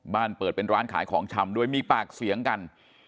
เปิดเป็นร้านขายของชำด้วยมีปากเสียงกัน